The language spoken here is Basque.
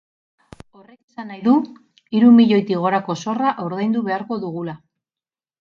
Horrek esan nahi du hiru milioitik gorako zorra ordaindu beharko dugula.